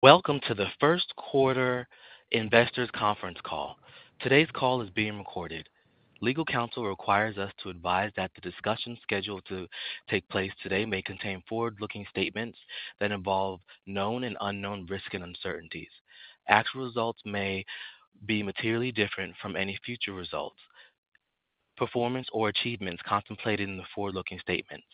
Welcome to the first-quarter investors' conference call. Today's call is being recorded. Legal counsel requires us to advise that the discussion scheduled to take place today may contain forward-looking statements that involve known and unknown risk and uncertainties. Actual results may be materially different from any future results, performance or achievements contemplated in the forward-looking statements.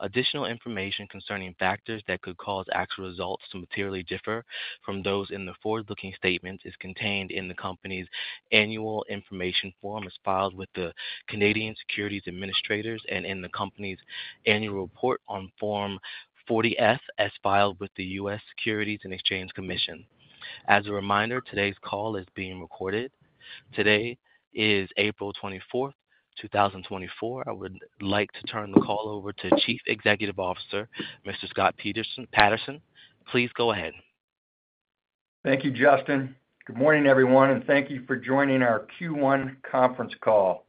Additional information concerning factors that could cause actual results to materially differ from those in the forward-looking statements is contained in the company's annual information form as filed with the Canadian Securities Administrators and in the company's annual report on Form 40-F as filed with the U.S. Securities and Exchange Commission. As a reminder, today's call is being recorded. Today is April 24, 2024. I would like to turn the call over to Chief Executive Officer, Mr. Scott Patterson. Please go ahead. Thank you, Justin. Good morning, everyone, and thank you for joining our Q1 conference call.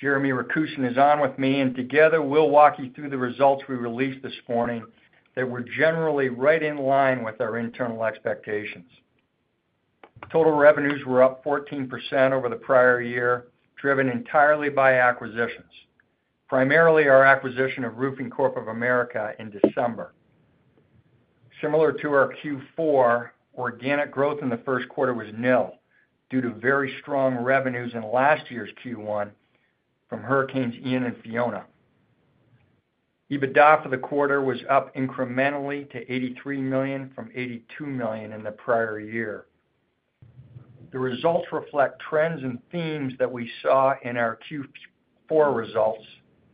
Jeremy Rakusin is on with me, and together we'll walk you through the results we released this morning that were generally right in line with our internal expectations. Total revenues were up 14% over the prior year, driven entirely by acquisitions, primarily our acquisition of Roofing Corp. of America in December. Similar to our Q4, organic growth in the first quarter was nil due to very strong revenues in last year's Q1 from Hurricanes Ian and Fiona. EBITDA for the quarter was up incrementally to 83 million from 82 million in the prior year. The results reflect trends and themes that we saw in our Q4 results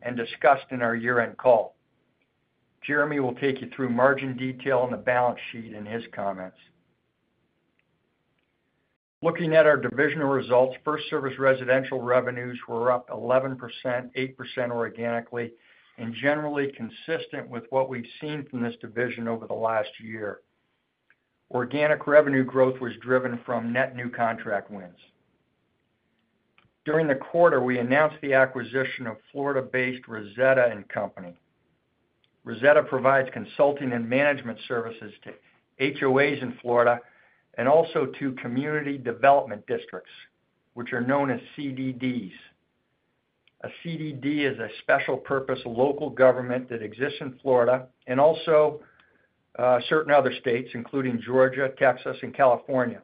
and discussed in our year-end call. Jeremy will take you through margin detail and the balance sheet in his comments. Looking at our divisional results, FirstService Residential revenues were up 11%, 8% organically, and generally consistent with what we've seen from this division over the last year. Organic revenue growth was driven from net new contract wins. During the quarter, we announced the acquisition of Florida-based Rizzetta & Company. Rizzetta provides consulting and management services to HOAs in Florida and also to community development districts, which are known as CDDs. A CDD is a special-purpose local government that exists in Florida and also certain other states, including Georgia, Texas, and California.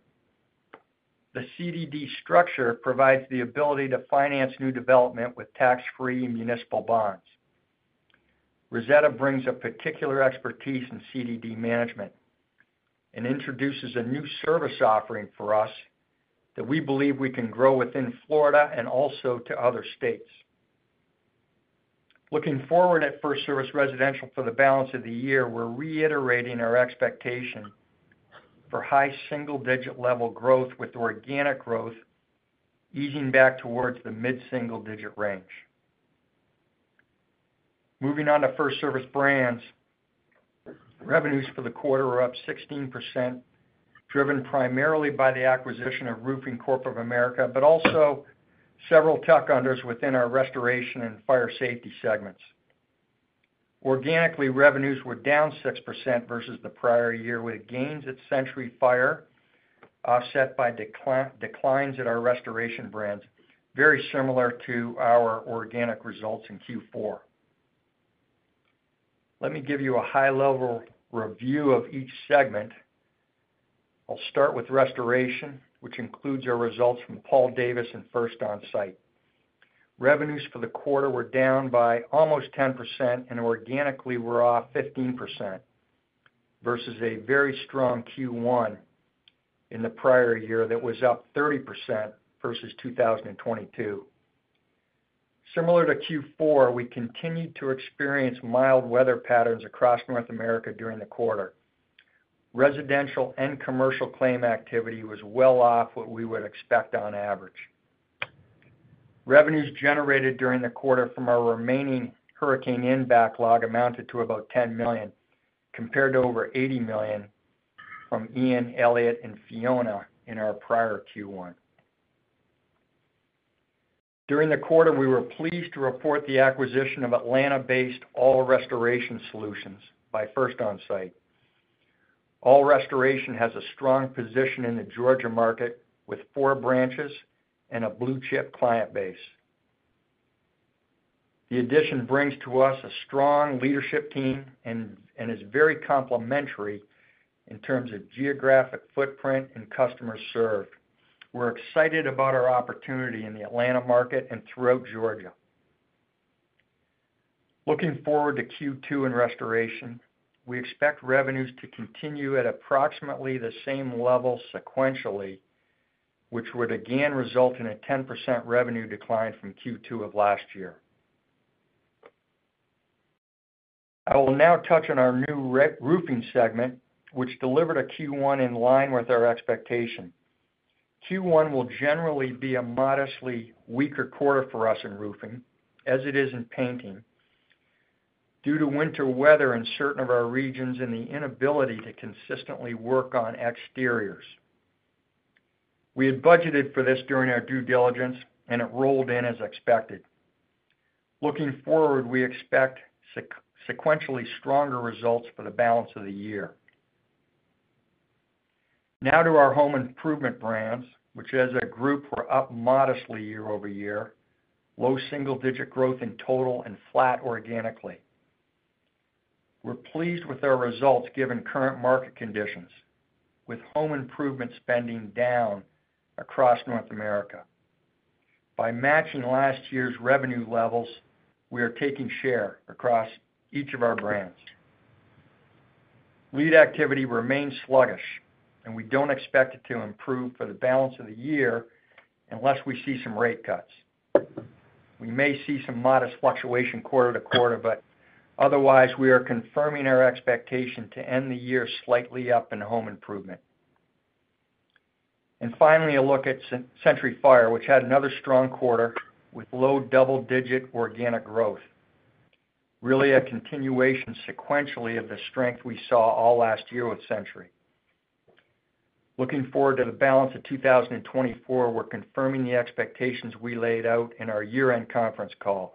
The CDD structure provides the ability to finance new development with tax-free municipal bonds. Rizzetta brings a particular expertise in CDD management and introduces a new service offering for us that we believe we can grow within Florida and also to other states. Looking forward at FirstService Residential for the balance of the year, we're reiterating our expectation for high single-digit-level growth with organic growth easing back towards the mid-single-digit range. Moving on to FirstService Brands, revenues for the quarter are up 16%, driven primarily by the acquisition of Roofing Corp of America but also several tuck-unders within our restoration and fire safety segments. Organically, revenues were down 6% versus the prior year, with gains at Century Fire offset by declines at our restoration brands, very similar to our organic results in Q4. Let me give you a high-level review of each segment. I'll start with restoration, which includes our results from Paul Davis and First Onsite. Revenues for the quarter were down by almost 10%, and organically we're off 15% versus a very strong Q1 in the prior year that was up 30% versus 2022. Similar to Q4, we continued to experience mild weather patterns across North America during the quarter. Residential and commercial claim activity was well off what we would expect on average. Revenues generated during the quarter from our remaining Hurricane Ian backlog amounted to about $10 million, compared to over $80 million from Ian, Elliott, and Fiona in our prior Q1. During the quarter, we were pleased to report the acquisition of Atlanta-based All Restoration Solutions by First Onsite. All Restoration has a strong position in the Georgia market with four branches and a blue-chip client base. The addition brings to us a strong leadership team and is very complementary in terms of geographic footprint and customers served. We're excited about our opportunity in the Atlanta market and throughout Georgia. Looking forward to Q2 in restoration, we expect revenues to continue at approximately the same level sequentially, which would again result in a 10% revenue decline from Q2 of last year. I will now touch on our new roofing segment, which delivered a Q1 in line with our expectation. Q1 will generally be a modestly weaker quarter for us in roofing, as it is in painting, due to winter weather in certain of our regions and the inability to consistently work on exteriors. We had budgeted for this during our due diligence, and it rolled in as expected. Looking forward, we expect sequentially stronger results for the balance of the year. Now to our home improvement brands, which as a group were up modestly year-over-year, low single-digit growth in total and flat organically. We're pleased with our results given current market conditions, with home improvement spending down across North America. By matching last year's revenue levels, we are taking share across each of our brands. Lead activity remains sluggish, and we don't expect it to improve for the balance of the year unless we see some rate cuts. We may see some modest fluctuation quarter-to-quarter, but otherwise we are confirming our expectation to end the year slightly up in home improvement. Finally, a look at Century Fire, which had another strong quarter with low double-digit organic growth, really a continuation sequentially of the strength we saw all last year with Century. Looking forward to the balance of 2024, we're confirming the expectations we laid out in our year-end conference call.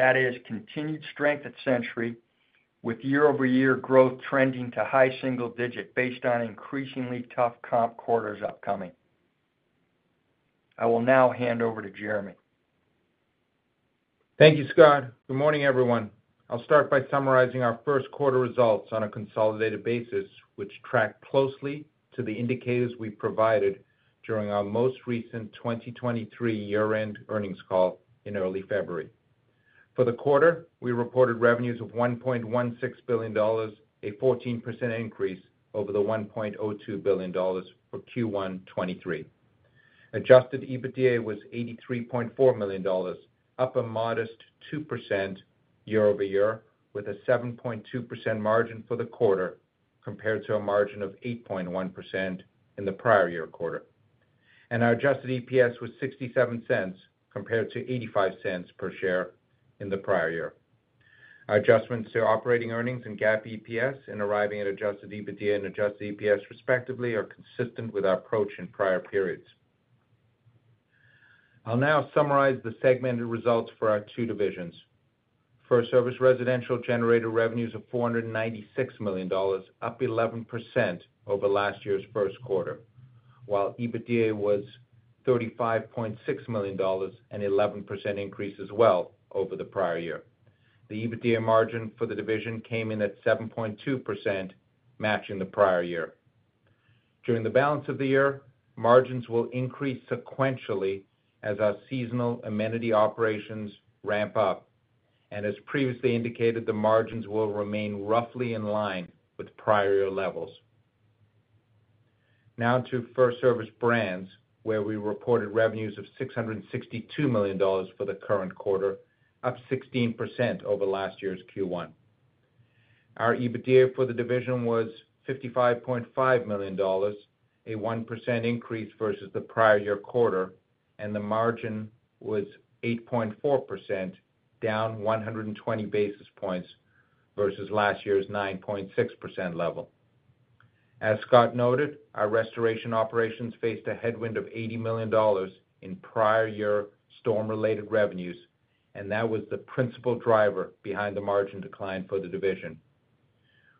That is, continued strength at Century with year-over-year growth trending to high single-digit based on increasingly tough comp quarters upcoming. I will now hand over to Jeremy. Thank you, Scott. Good morning, everyone. I'll start by summarizing our first-quarter results on a consolidated basis, which track closely to the indicators we provided during our most recent 2023 year-end earnings call in early February. For the quarter, we reported revenues of $1.16 billion, a 14% increase over the $1.02 billion for Q1 2023. Adjusted EBITDA was $83.4 million, up a modest 2% year-over-year with a 7.2% margin for the quarter compared to a margin of 8.1% in the prior year quarter. And our adjusted EPS was $0.67 compared to $0.85 per share in the prior year. Our adjustments to operating earnings and GAAP EPS, and arriving at adjusted EBITDA and adjusted EPS respectively, are consistent with our approach in prior periods. I'll now summarize the segmented results for our two divisions. FirstService Residential generated revenues of $496 million, up 11% over last year's first quarter, while EBITDA was $35.6 million, an 11% increase as well over the prior year. The EBITDA margin for the division came in at 7.2%, matching the prior year. During the balance of the year, margins will increase sequentially as our seasonal amenity operations ramp up. And as previously indicated, the margins will remain roughly in line with prior year levels. Now to FirstService Brands, where we reported revenues of $662 million for the current quarter, up 16% over last year's Q1. Our EBITDA for the division was $55.5 million, a 1% increase versus the prior year quarter, and the margin was 8.4%, down 120 basis points versus last year's 9.6% level. As Scott noted, our restoration operations faced a headwind of $80 million in prior year storm-related revenues, and that was the principal driver behind the margin decline for the division.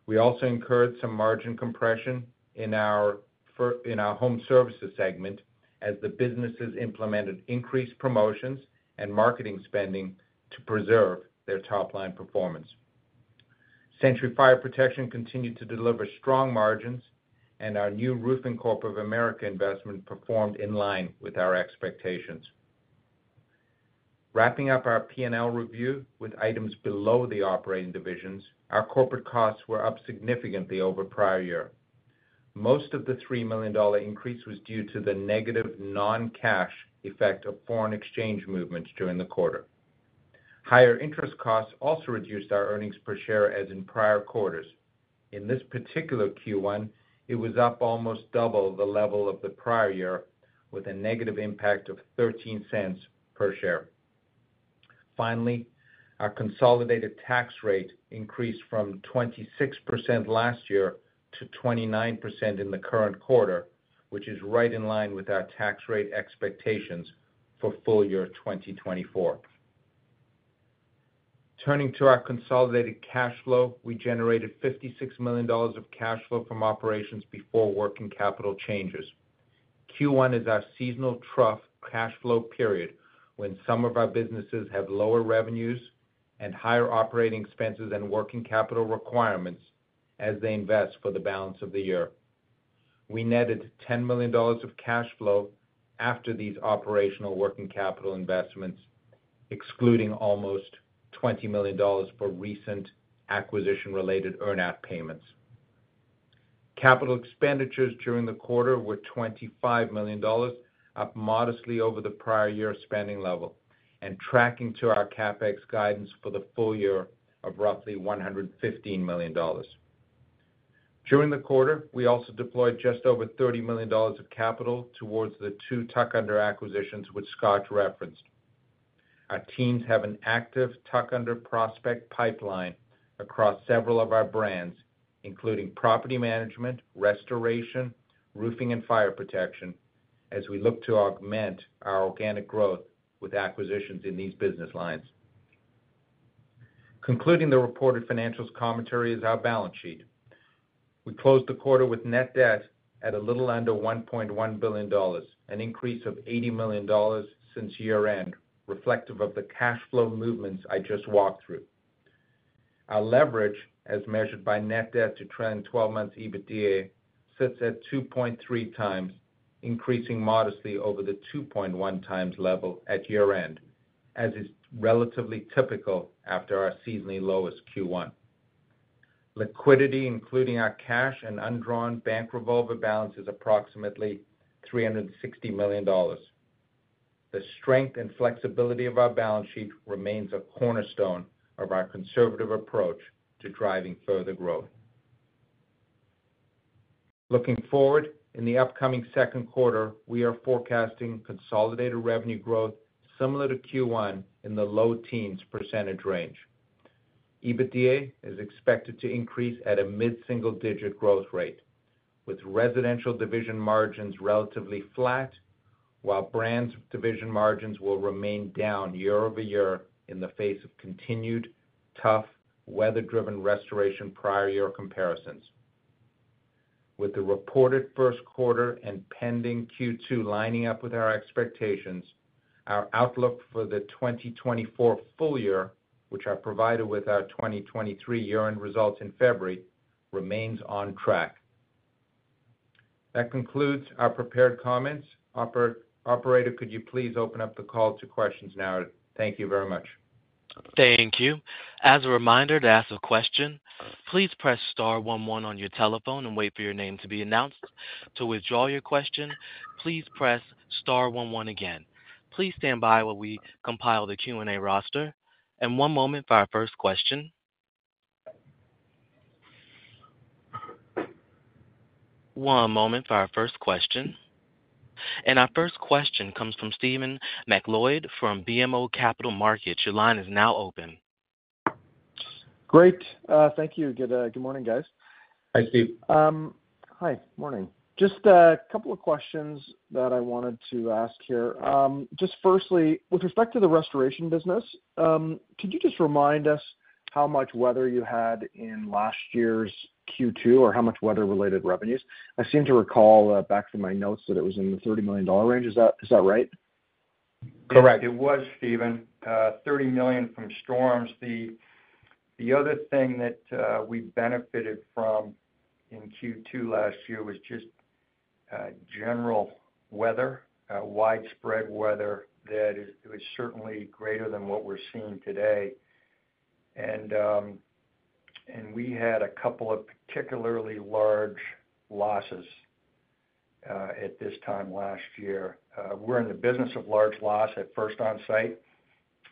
We also incurred some margin compression in our home services segment as the businesses implemented increased promotions and marketing spending to preserve their top-line performance. Century Fire Protection continued to deliver strong margins, and our new Roofing Corp. of America investment performed in line with our expectations. Wrapping up our P&L review with items below the operating divisions, our corporate costs were up significantly over prior year. Most of the $3 million increase was due to the negative non-cash effect of foreign exchange movements during the quarter. Higher interest costs also reduced our earnings per share as in prior quarters. In this particular Q1, it was up almost double the level of the prior year, with a negative impact of $0.13 per share. Finally, our consolidated tax rate increased from 26% last year to 29% in the current quarter, which is right in line with our tax rate expectations for full year 2024. Turning to our consolidated cash flow, we generated $56 million of cash flow from operations before working capital changes. Q1 is our seasonal trough cash flow period when some of our businesses have lower revenues and higher operating expenses and working capital requirements as they invest for the balance of the year. We netted $10 million of cash flow after these operational working capital investments, excluding almost $20 million for recent acquisition-related earn-out payments. Capital expenditures during the quarter were $25 million, up modestly over the prior year spending level and tracking to our CapEx guidance for the full year of roughly $115 million. During the quarter, we also deployed just over $30 million of capital towards the two tuck-under acquisitions which Scott referenced. Our teams have an active tuck-under prospect pipeline across several of our brands, including property management, restoration, roofing, and fire protection, as we look to augment our organic growth with acquisitions in these business lines. Concluding the reported financials commentary is our balance sheet. We closed the quarter with net debt at a little under $1.1 billion, an increase of $80 million since year-end, reflective of the cash flow movements I just walked through. Our leverage, as measured by net debt to trailing 12-months EBITDA, sits at 2.3 times, increasing modestly over the 2.1 times level at year-end, as is relatively typical after our seasonally lowest Q1. Liquidity, including our cash and undrawn bank revolver balances, is approximately $360 million. The strength and flexibility of our balance sheet remains a cornerstone of our conservative approach to driving further growth. Looking forward, in the upcoming second quarter, we are forecasting consolidated revenue growth similar to Q1 in the low teens % range. EBITDA is expected to increase at a mid-single-digit growth rate, with residential division margins relatively flat while brands' division margins will remain down year-over-year in the face of continued tough, weather-driven restoration prior year comparisons. With the reported first quarter and pending Q2 lining up with our expectations, our outlook for the 2024 full year, which I provided with our 2023 year-end results in February, remains on track. That concludes our prepared comments. Operator, could you please open up the call to questions now? Thank you very much. Thank you. As a reminder, to ask a question, please press star 11 on your telephone and wait for your name to be announced. To withdraw your question, please press star 11 again. Please stand by while we compile the Q&A roster. One moment for our first question. One moment for our first question. Our first question comes from Stephen MacLeod from BMO Capital Markets. Your line is now open. Great. Thank you. Good morning, guys. Hi, Steve. Hi. Morning. Just a couple of questions that I wanted to ask here. Just firstly, with respect to the restoration business, could you just remind us how much weather you had in last year's Q2 or how much weather-related revenues? I seem to recall back from my notes that it was in the $30 million range. Is that right? Correct. It was, Stephen. 30 million from storms. The other thing that we benefited from in Q2 last year was just general weather, widespread weather that was certainly greater than what we're seeing today. And we had a couple of particularly large losses at this time last year. We're in the business of large loss at First Onsite,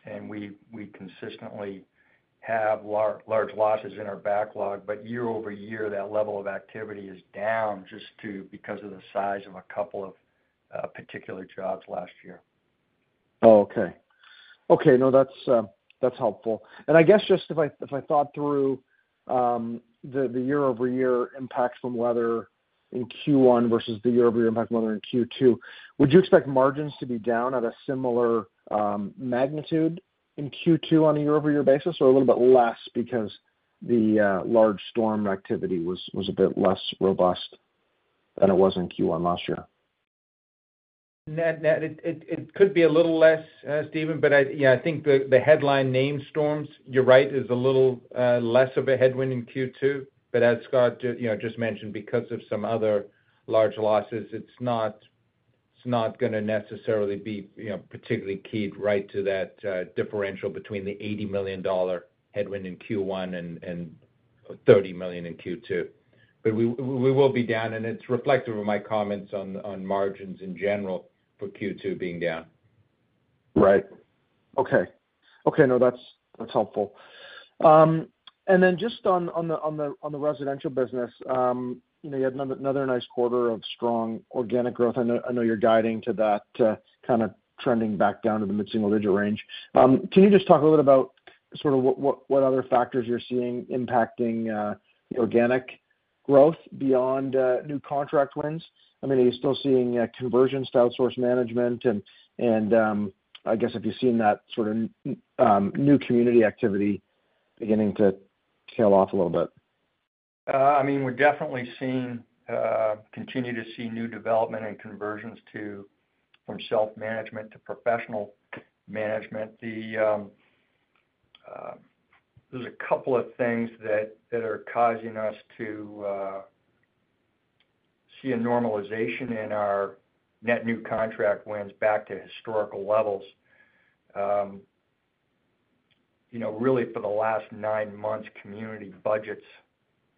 and we consistently have large losses in our backlog. But year-over-year, that level of activity is down just because of the size of a couple of particular jobs last year. Oh, okay. Okay. No, that's helpful. I guess just if I thought through the year-over-year impacts from weather in Q1 versus the year-over-year impacts from weather in Q2, would you expect margins to be down at a similar magnitude in Q2 on a year-over-year basis or a little bit less because the large storm activity was a bit less robust than it was in Q1 last year? It could be a little less, Stephen, but yeah, I think the hurricane named storms, you're right, is a little less of a headwind in Q2. But as Scott just mentioned, because of some other large losses, it's not going to necessarily be particularly keyed right to that differential between the $80 million headwind in Q1 and $30 million in Q2. But we will be down, and it's reflective of my comments on margins in general for Q2 being down. Right. Okay. Okay. No, that's helpful. And then just on the residential business, you had another nice quarter of strong organic growth. I know you're guiding to that kind of trending back down to the mid-single-digit range. Can you just talk a little bit about sort of what other factors you're seeing impacting organic growth beyond new contract wins? I mean, are you still seeing conversions to outsource management? And I guess have you seen that sort of new community activity beginning to tail off a little bit? I mean, we're definitely continuing to see new development and conversions from self-management to professional management. There's a couple of things that are causing us to see a normalization in our net new contract wins back to historical levels. Really, for the last nine months, community budgets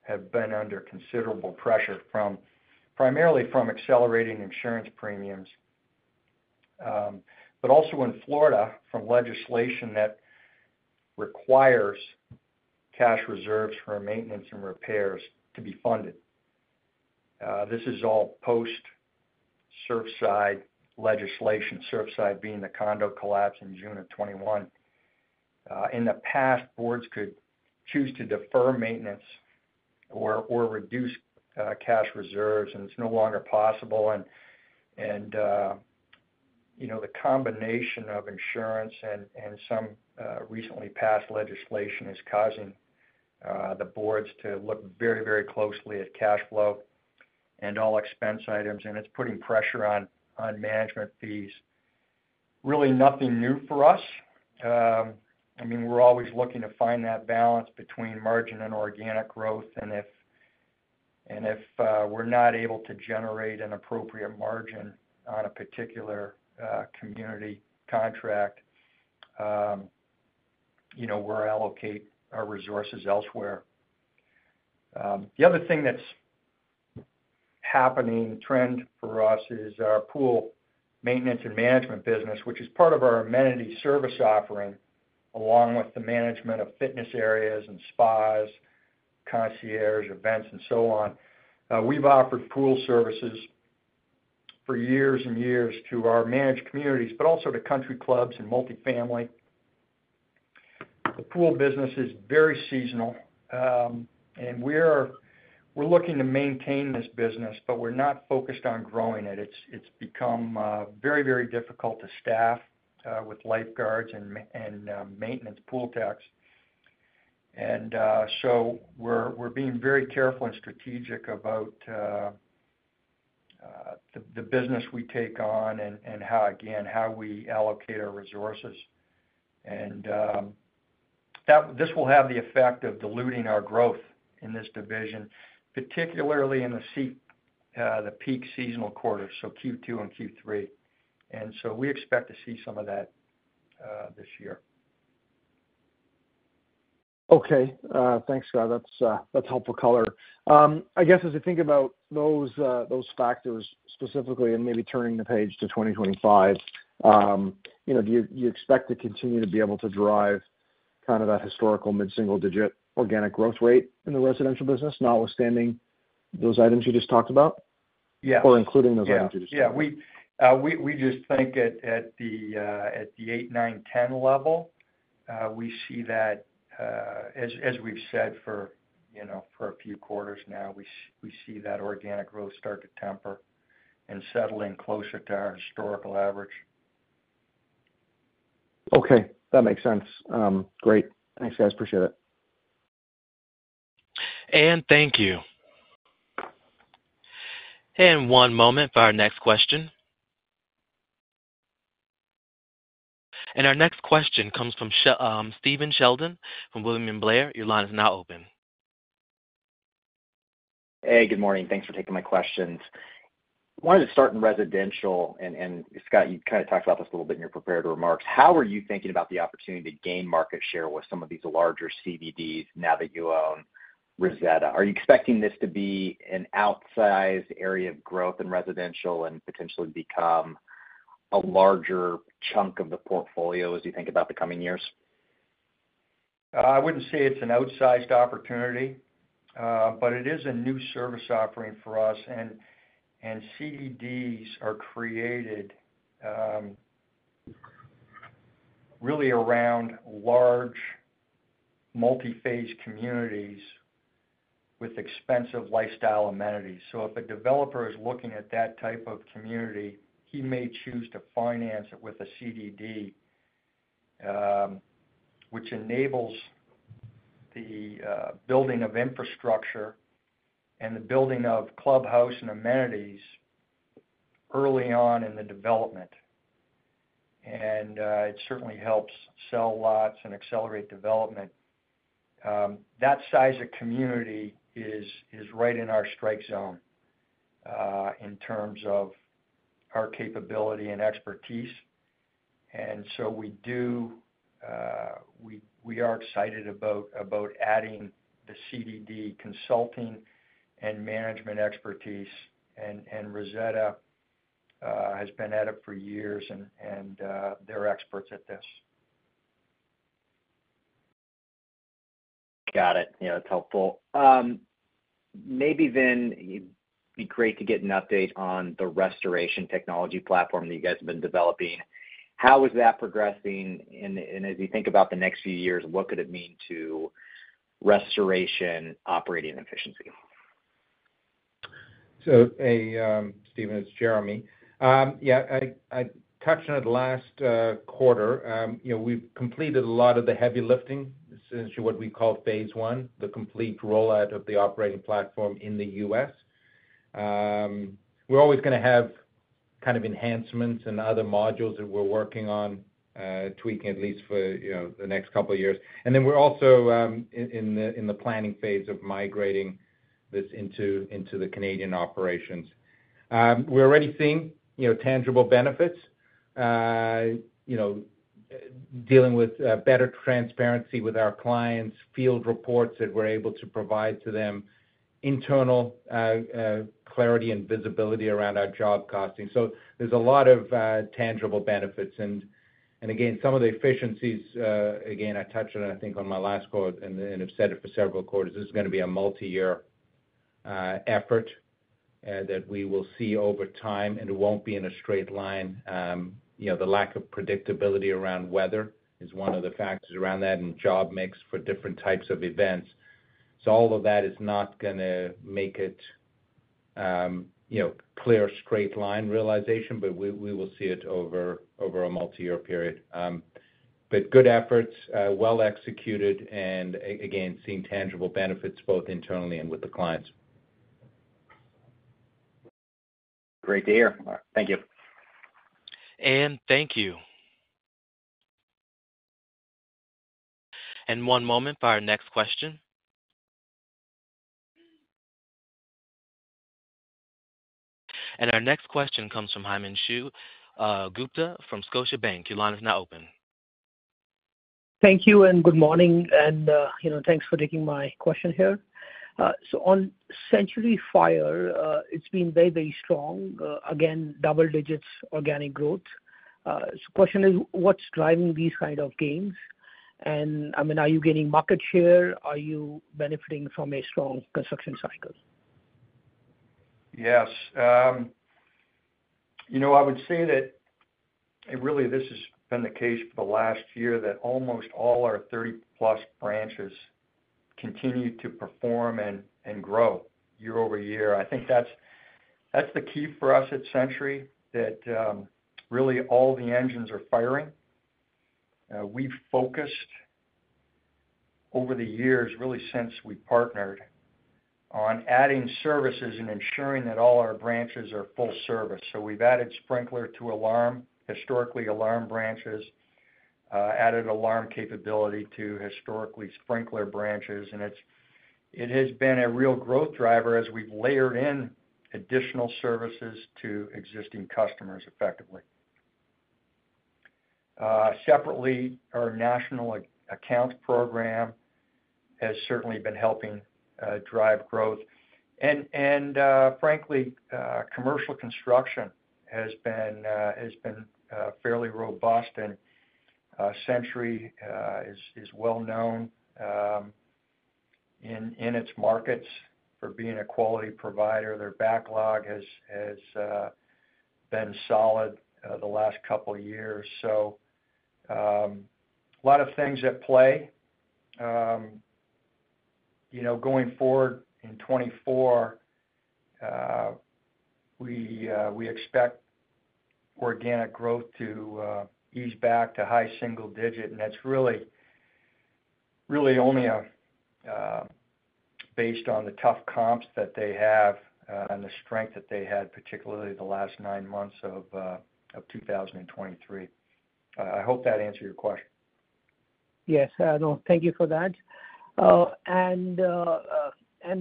have been under considerable pressure, primarily from accelerating insurance premiums, but also in Florida from legislation that requires cash reserves for maintenance and repairs to be funded. This is all post-Surfside legislation, Surfside being the condo collapse in June 2021. In the past, boards could choose to defer maintenance or reduce cash reserves, and it's no longer possible. And the combination of insurance and some recently passed legislation is causing the boards to look very, very closely at cash flow and all expense items, and it's putting pressure on management fees. Really, nothing new for us. I mean, we're always looking to find that balance between margin and organic growth. And if we're not able to generate an appropriate margin on a particular community contract, we'll allocate our resources elsewhere. The other thing that's happening, trend for us, is our pool maintenance and management business, which is part of our amenity service offering along with the management of fitness areas and spas, concierge, events, and so on. We've offered pool services for years and years to our managed communities, but also to country clubs and multifamily. The pool business is very seasonal, and we're looking to maintain this business, but we're not focused on growing it. It's become very, very difficult to staff with lifeguards and maintenance pool techs. And so we're being very careful and strategic about the business we take on and, again, how we allocate our resources. This will have the effect of diluting our growth in this division, particularly in the peak seasonal quarters, so Q2 and Q3. So we expect to see some of that this year. Okay. Thanks, Scott. That's helpful color. I guess as I think about those factors specifically and maybe turning the page to 2025, do you expect to continue to be able to drive kind of that historical mid-single-digit organic growth rate in the residential business, notwithstanding those items you just talked about, or including those items you just talked about? Yeah. Yeah. We just think at the 8, 9, 10 level, we see that as we've said for a few quarters now, we see that organic growth start to temper and settle in closer to our historical average. Okay. That makes sense. Great. Thanks, guys. Appreciate it. Thank you. One moment for our next question. Our next question comes from Stephen Sheldon from William Blair. Your line is now open. Hey. Good morning. Thanks for taking my questions. Wanted to start in residential. Scott, you kind of talked about this a little bit in your preparatory remarks. How are you thinking about the opportunity to gain market share with some of these larger CDDs now that you own Rizzetta? Are you expecting this to be an outsized area of growth in residential and potentially become a larger chunk of the portfolio as you think about the coming years? I wouldn't say it's an outsized opportunity, but it is a new service offering for us. CDDs are created really around large multi-phase communities with expensive lifestyle amenities. So if a developer is looking at that type of community, he may choose to finance it with a CDD, which enables the building of infrastructure and the building of clubhouse and amenities early on in the development. It certainly helps sell lots and accelerate development. That size of community is right in our strike zone in terms of our capability and expertise. So we are excited about adding the CDD consulting and management expertise. Rizzetta & Company has been at it for years, and they're experts at this. Got it. That's helpful. Maybe then it'd be great to get an update on the restoration technology platform that you guys have been developing. How is that progressing? And as you think about the next few years, what could it mean to restoration operating efficiency? So Stephen, it's Jeremy. Yeah. I touched on it last quarter. We've completed a lot of the heavy lifting, essentially what we call phase one, the complete rollout of the operating platform in the U.S. We're always going to have kind of enhancements and other modules that we're working on tweaking, at least for the next couple of years. And then we're also in the planning phase of migrating this into the Canadian operations. We're already seeing tangible benefits, dealing with better transparency with our clients, field reports that we're able to provide to them, internal clarity and visibility around our job costing. So there's a lot of tangible benefits. And again, some of the efficiencies, again, I touched on it, I think, on my last call and have said it for several quarters. This is going to be a multi-year effort that we will see over time, and it won't be in a straight line. The lack of predictability around weather is one of the factors around that and job mix for different types of events. So all of that is not going to make it clear, straight line realization, but we will see it over a multi-year period. But good efforts, well executed, and again, seeing tangible benefits both internally and with the clients. Great to hear. Thank you. Thank you. One moment for our next question. Our next question comes from Himanshu Gupta from Scotiabank. Your line is now open. Thank you and good morning. Thanks for taking my question here. On Century Fire, it's been very, very strong. Again, double digits organic growth. Question is, what's driving these kind of gains? I mean, are you gaining market share? Are you benefiting from a strong construction cycle? Yes. I would say that really, this has been the case for the last year that almost all our 30+ branches continue to perform and grow year-over-year. I think that's the key for us at Century, that really all the engines are firing. We've focused over the years, really since we partnered, on adding services and ensuring that all our branches are full service. So we've added sprinkler to alarm, historically alarm branches, added alarm capability to historically sprinkler branches. And it has been a real growth driver as we've layered in additional services to existing customers effectively. Separately, our national accounts program has certainly been helping drive growth. And frankly, commercial construction has been fairly robust, and Century is well known in its markets for being a quality provider. Their backlog has been solid the last couple of years. So a lot of things at play. Going forward in 2024, we expect organic growth to ease back to high single digit. That's really only based on the tough comps that they have and the strength that they had, particularly the last nine months of 2023. I hope that answered your question. Yes. Thank you for that. And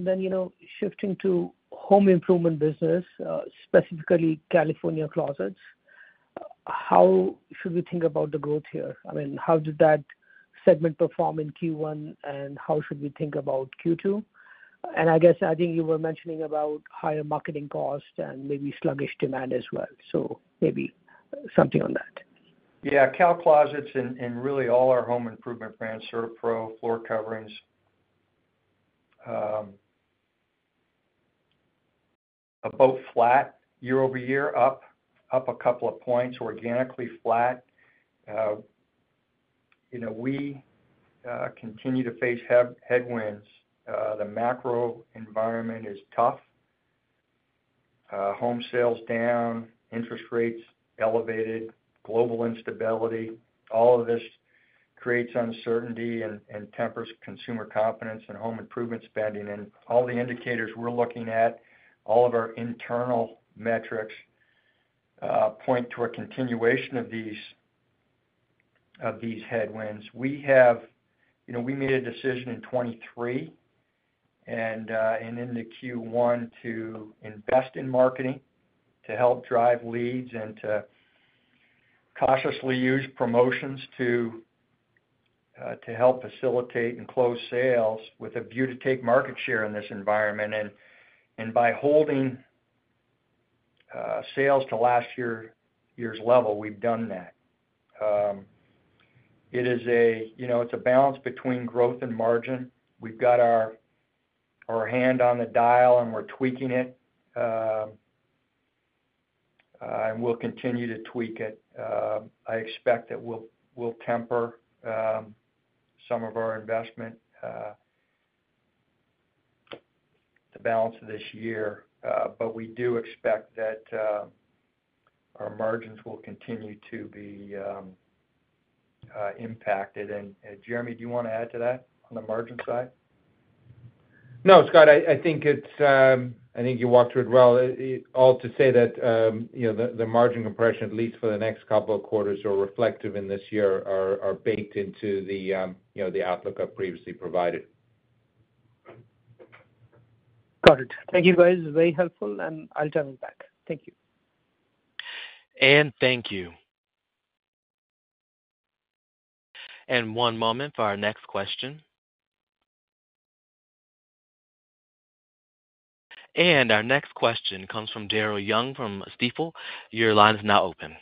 then shifting to home improvement business, specifically California Closets, how should we think about the growth here? I mean, how did that segment perform in Q1, and how should we think about Q2? And I guess I think you were mentioning about higher marketing cost and maybe sluggish demand as well. So maybe something on that. Yeah. Cal Closets and really all our home improvement brands, CertaPro, Floor Coverings, are both flat year-over-year, up a couple of points, organically flat. We continue to face headwinds. The macro environment is tough. Home sales down, interest rates elevated, global instability. All of this creates uncertainty and tempers consumer confidence and home improvement spending. And all the indicators we're looking at, all of our internal metrics point to a continuation of these headwinds. We made a decision in 2023 and in the Q1 to invest in marketing to help drive leads and to cautiously use promotions to help facilitate and close sales with a view to take market share in this environment. And by holding sales to last year's level, we've done that. It's a balance between growth and margin. We've got our hand on the dial, and we're tweaking it, and we'll continue to tweak it. I expect that we'll temper some of our investment, the balance of this year. But we do expect that our margins will continue to be impacted. And Jeremy, do you want to add to that on the margin side? No, Scott. I think you walked through it well. All to say that the margin compression, at least for the next couple of quarters or reflective in this year, are baked into the outlook I've previously provided. Got it. Thank you, guys. Very helpful. I'll turn it back. Thank you. Thank you. One moment for our next question. Our next question comes from Daryl Young from Stifel. Your line is now open.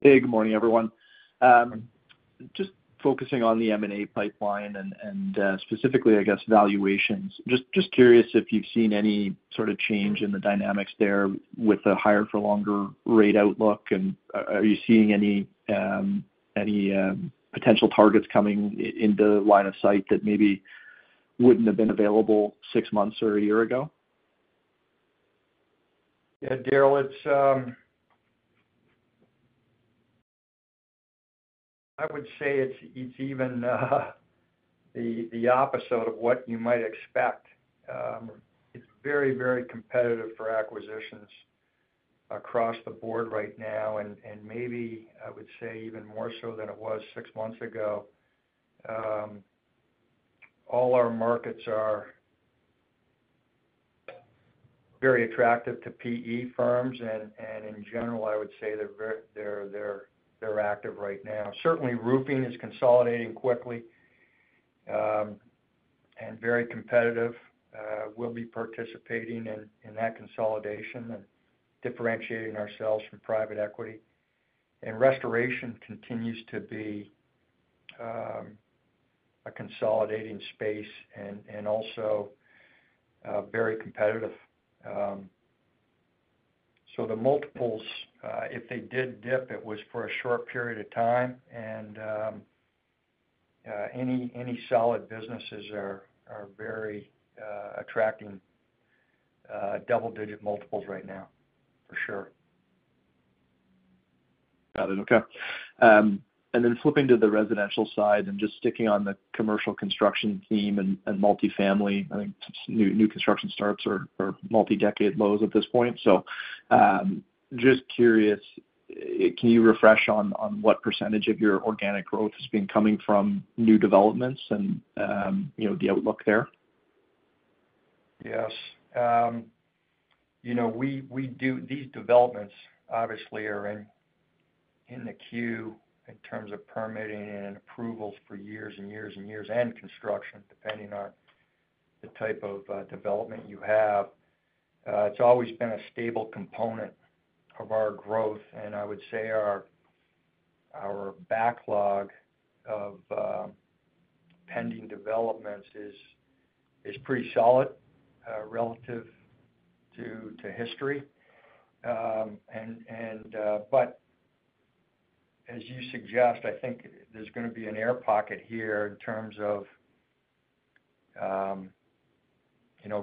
Hey. Good morning, everyone. Just focusing on the M&A pipeline and specifically, I guess, valuations. Just curious if you've seen any sort of change in the dynamics there with the higher-for-longer rate outlook. Are you seeing any potential targets coming into line of sight that maybe wouldn't have been available six months or a year ago? Yeah, Darryl, I would say it's even the opposite of what you might expect. It's very, very competitive for acquisitions across the board right now. Maybe I would say even more so than it was six months ago. All our markets are very attractive to PE firms. In general, I would say they're active right now. Certainly, roofing is consolidating quickly and very competitive. We'll be participating in that consolidation and differentiating ourselves from private equity. Restoration continues to be a consolidating space and also very competitive. The multiples, if they did dip, it was for a short period of time. Any solid businesses are very attractive double-digit multiples right now, for sure. Got it. Okay. And then flipping to the residential side and just sticking on the commercial construction theme and multifamily, I think new construction starts are multi-decade lows at this point. So just curious, can you refresh on what percentage of your organic growth is being coming from new developments and the outlook there? Yes. These developments, obviously, are in the queue in terms of permitting and approvals for years and years and years and construction, depending on the type of development you have. It's always been a stable component of our growth. And I would say our backlog of pending developments is pretty solid relative to history. But as you suggest, I think there's going to be an air pocket here in terms of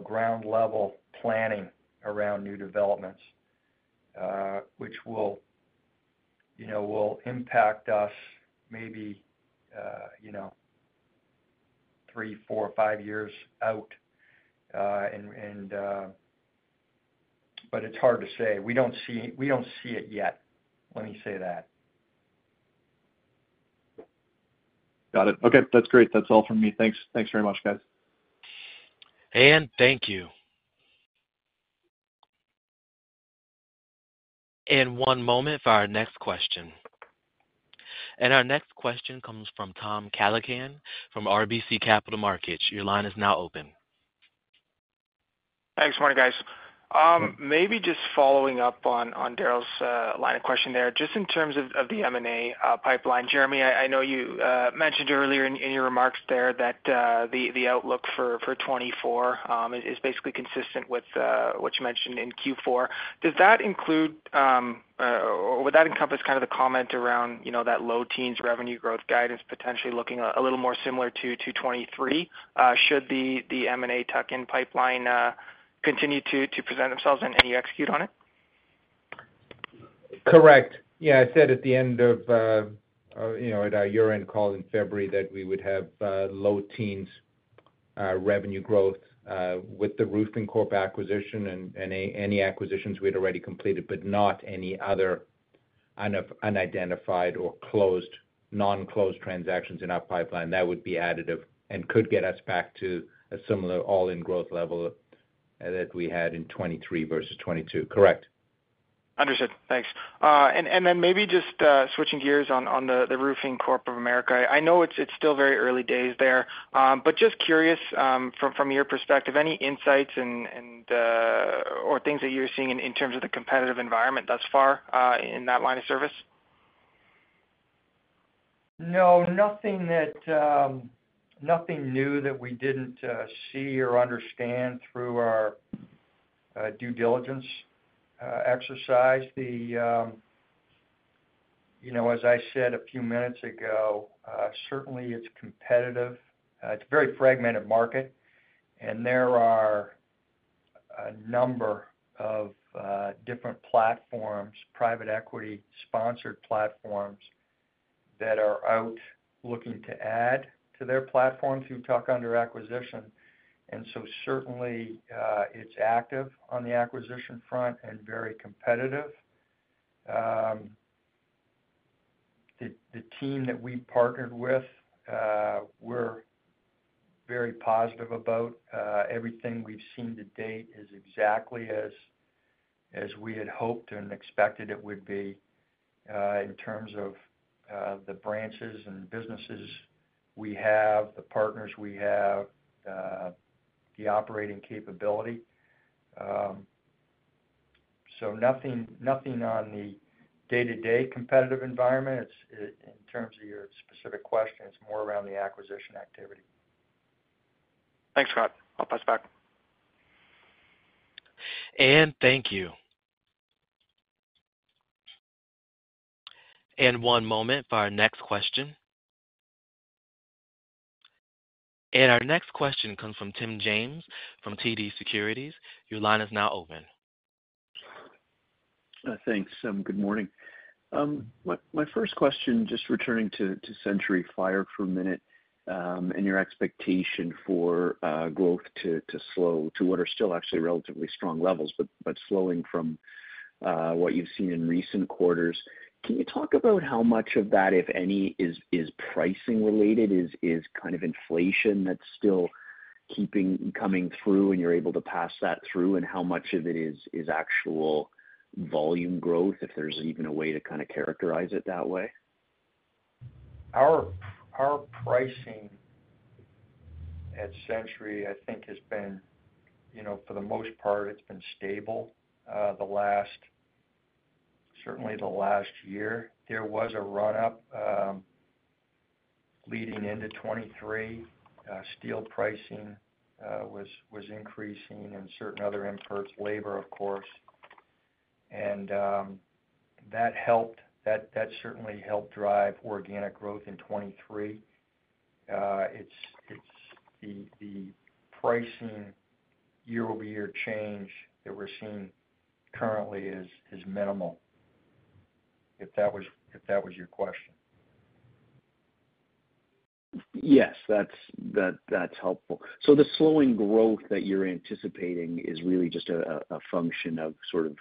ground-level planning around new developments, which will impact us maybe 3, 4, 5 years out. But it's hard to say. We don't see it yet. Let me say that. Got it. Okay. That's great. That's all from me. Thanks very much, guys. Thank you. One moment for our next question. Our next question comes from Tom Callaghan from RBC Capital Markets. Your line is now open. Thanks. Morning, guys. Maybe just following up on Darryl's line of question there, just in terms of the M&A pipeline. Jeremy, I know you mentioned earlier in your remarks there that the outlook for 2024 is basically consistent with what you mentioned in Q4. Does that include or would that encompass kind of the comment around that low-teens revenue growth guidance potentially looking a little more similar to 2023? Should the M&A tuck-in pipeline continue to present themselves, and you execute on it? Correct. Yeah. I said at the end of our year-end call in February that we would have low-teens revenue growth with the roofing corp acquisition and any acquisitions we had already completed, but not any other unidentified or non-closed transactions in our pipeline. That would be additive and could get us back to a similar all-in growth level that we had in 2023 versus 2022. Correct. Understood. Thanks. And then maybe just switching gears on the Roofing Corp. of America. I know it's still very early days there. But just curious from your perspective, any insights or things that you're seeing in terms of the competitive environment thus far in that line of service? No. Nothing new that we didn't see or understand through our due diligence exercise. As I said a few minutes ago, certainly, it's competitive. It's a very fragmented market. And there are a number of different platforms, private equity-sponsored platforms, that are out looking to add to their platform through tuck-under acquisition. And so certainly, it's active on the acquisition front and very competitive. The team that we partnered with, we're very positive about. Everything we've seen to date is exactly as we had hoped and expected it would be in terms of the branches and businesses we have, the partners we have, the operating capability. So nothing on the day-to-day competitive environment. In terms of your specific question, it's more around the acquisition activity. Thanks, Scott. I'll pass back. Thank you. One moment for our next question. Our next question comes from Tim James from TD Securities. Your line is now open. Thanks. Good morning. My first question, just returning to Century Fire for a minute and your expectation for growth to slow to what are still actually relatively strong levels but slowing from what you've seen in recent quarters, can you talk about how much of that, if any, is pricing-related, is kind of inflation that's still coming through and you're able to pass that through, and how much of it is actual volume growth, if there's even a way to kind of characterize it that way? Our pricing at Century, I think, has been for the most part, it's been stable certainly the last year. There was a run-up leading into 2023. Steel pricing was increasing and certain other inputs, labor, of course. And that certainly helped drive organic growth in 2023. The pricing year-over-year change that we're seeing currently is minimal, if that was your question. Yes. That's helpful. So the slowing growth that you're anticipating is really just a function of sort of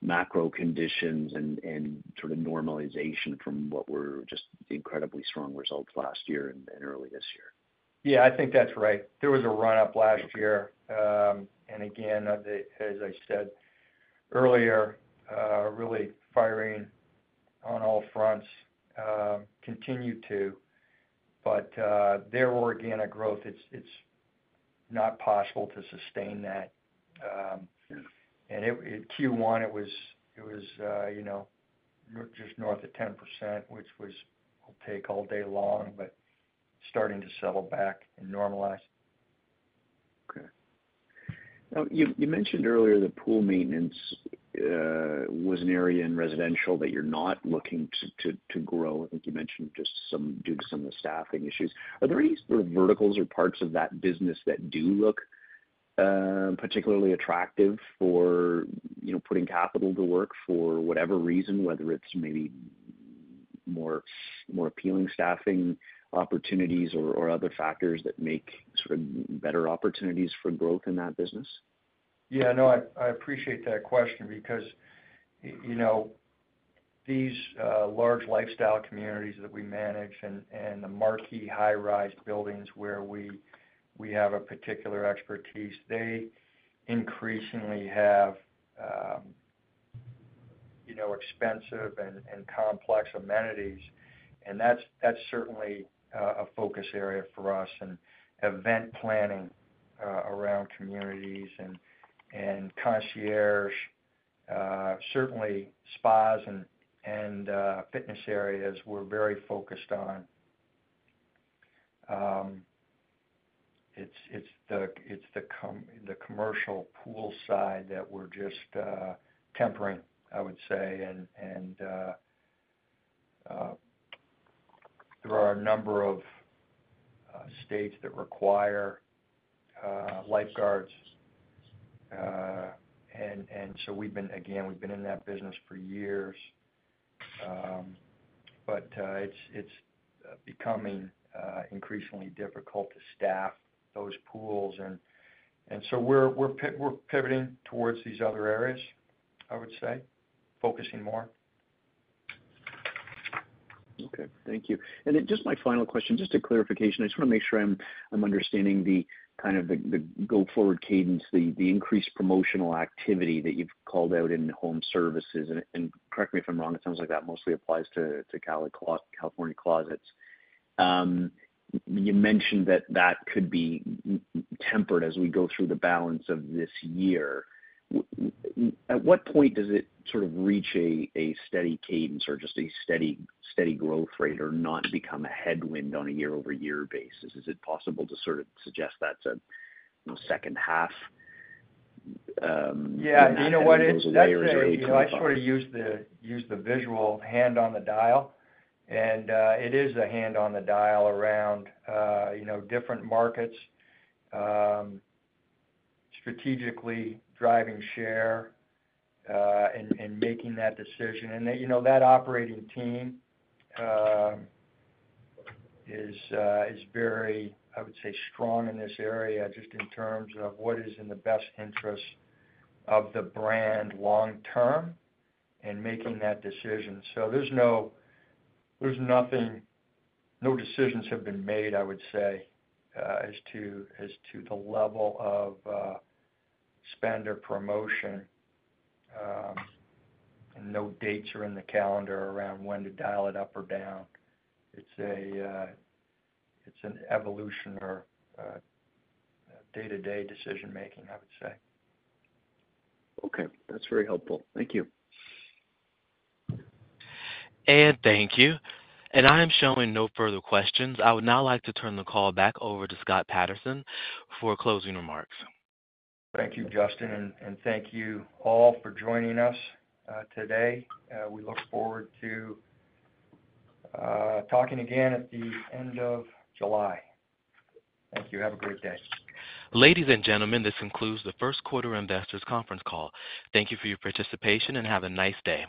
macro conditions and sort of normalization from what were just incredibly strong results last year and early this year? Yeah. I think that's right. There was a run-up last year. And again, as I said earlier, really firing on all fronts continued to. But there were organic growth. It's not possible to sustain that. And in Q1, it was just north of 10%, which will take all day long, but starting to settle back and normalize. Okay. Now, you mentioned earlier that pool maintenance was an area in residential that you're not looking to grow. I think you mentioned just due to some of the staffing issues. Are there any sort of verticals or parts of that business that do look particularly attractive for putting capital to work for whatever reason, whether it's maybe more appealing staffing opportunities or other factors that make sort of better opportunities for growth in that business? Yeah. No. I appreciate that question because these large lifestyle communities that we manage and the marquee high-rise buildings where we have a particular expertise, they increasingly have expensive and complex amenities. And that's certainly a focus area for us. And event planning around communities and concierge, certainly spas and fitness areas, we're very focused on. It's the commercial pool side that we're just tempering, I would say. And there are a number of states that require lifeguards. And so again, we've been in that business for years. But it's becoming increasingly difficult to staff those pools. And so we're pivoting towards these other areas, I would say, focusing more. Okay. Thank you. Just my final question, just a clarification. I just want to make sure I'm understanding kind of the go-forward cadence, the increased promotional activity that you've called out in home services. And correct me if I'm wrong. It sounds like that mostly applies to California Closets. You mentioned that that could be tempered as we go through the balance of this year. At what point does it sort of reach a steady cadence or just a steady growth rate or not become a headwind on a year-over-year basis? Is it possible to sort of suggest that's a second half? Yeah. You know what? I sort of use the visual hand on the dial. And it is a hand on the dial around different markets, strategically driving share and making that decision. And that operating team is very, I would say, strong in this area just in terms of what is in the best interest of the brand long-term and making that decision. So there's nothing—no decisions have been made, I would say, as to the level of spend or promotion. And no dates are in the calendar around when to dial it up or down. It's an evolutionary day-to-day decision-making, I would say. Okay. That's very helpful. Thank you. Thank you. I am showing no further questions. I would now like to turn the call back over to Scott Patterson for closing remarks. Thank you, Justin. And thank you all for joining us today. We look forward to talking again at the end of July. Thank you. Have a great day. Ladies and gentlemen, this concludes the first-quarter investors' conference call. Thank you for your participation, and have a nice day.